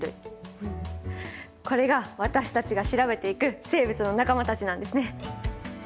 これが私たちが調べていく生物の仲間たちなんですね。